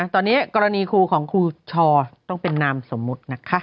ตอนนี้กรณีครูของครูชอต้องเป็นนามสมมุตินะคะ